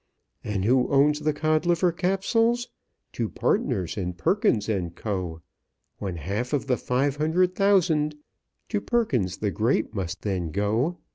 "And who owns the Codliver Capsules? Two partners in Perkins & Co. One half of the five hundred thousand To Perkins the Great must then go."